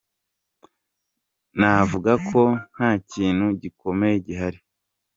Navuga ko nta kintu gikomeye gihari.